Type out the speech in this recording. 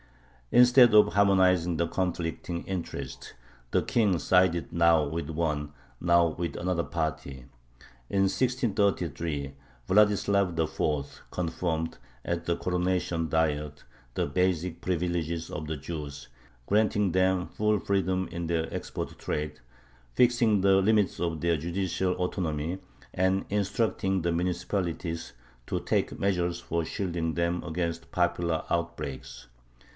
Instead of harmonizing the conflicting interests, the King sided now with one, now with another, party. In 1633 Vladislav IV. confirmed, at the Coronation Diet, the basic privileges of the Jews, granting them full freedom in their export trade, fixing the limits of their judicial autonomy, and instructing the municipalities to take measures for shielding them against popular outbreaks.